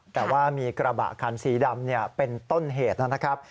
แต่ว่ามีกระบะคันสีดำเป็นต้นเหตุนะครับ